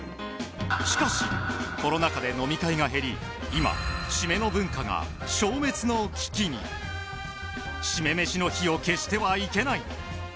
しかしコロナ禍で飲み会が減り今〆の文化が消滅の危機に〆めしの火を消してはいけない！